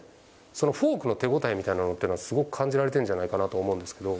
そのフォークの手応えみたいなのってすごく感じられているんじゃないかなと思うんですけど。